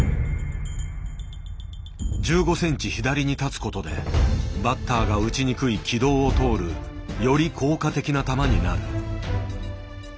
１５センチ左に立つことでバッターが打ちにくい軌道を通るより効果的な球になる。